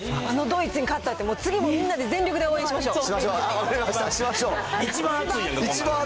あのドイツに勝ったって、次、みんなで全力で応援しましょう。